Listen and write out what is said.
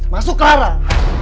masuk ke arah